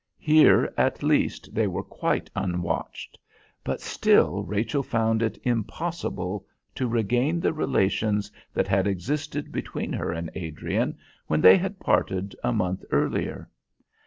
Here, at least, they were quite unwatched, but still Rachel found it impossible to regain the relations that had existed between her and Adrian when they had parted a month earlier.